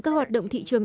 các hoạt động thị trường